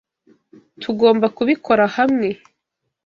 Tugomba kubikora hamwe.